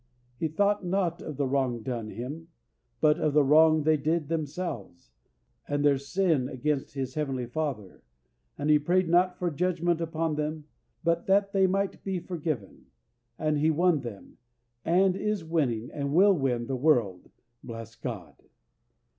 He thought not of the wrong done Him, but of the wrong they did themselves, and their sin against His Heavenly Father, and He prayed not for judgment upon them, but that they might be forgiven, and He won them, and is winning and will win the world. Bless God!